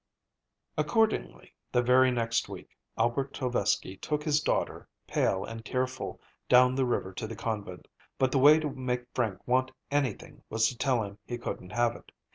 Accordingly, the very next week, Albert Tovesky took his daughter, pale and tearful, down the river to the convent. But the way to make Frank want anything was to tell him he couldn't have it.